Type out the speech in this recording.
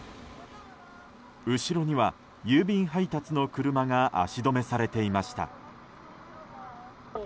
後ろには、郵便配達の車が足止めされていました。